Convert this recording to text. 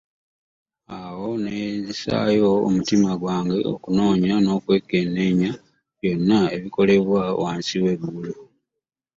Awo ne nzisaayo omutima gwange okunoonya n'okwekenneenya byonna ebikolebwa wansi w'eggulu.